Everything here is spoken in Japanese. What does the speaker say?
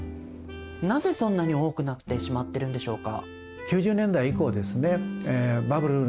なぜそんなに多くなってしまってるんでしょうか？